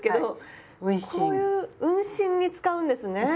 こういう運針に使うんですね。